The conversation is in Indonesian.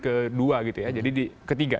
kedua gitu ya jadi ketiga